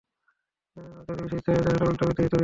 যদি বেশি ইচ্ছা হয়, তাহলে উল্টোবিদ্যা দিতেও দ্বিধা করব না।